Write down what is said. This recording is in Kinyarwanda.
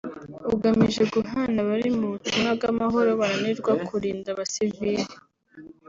ugamije guhana abari mu butumwa bw’amahoro bananirwa kurinda abasivili